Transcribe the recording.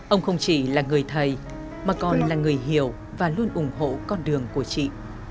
ông không chỉ là người thầy mà còn là người hiểu và luôn ủng hộ con đường của chị